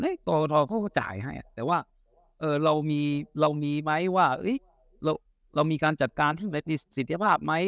กรกฐเขาก็จ่ายให้แต่ว่าเรามีไหมว่าเรามีการจัดการที่มีสิทธิภาพไหม